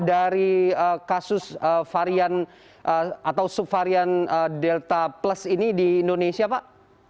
dari kasus varian atau subvarian delta plus ini di indonesia pak